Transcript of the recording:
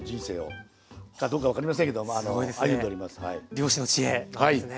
漁師の知恵ですね。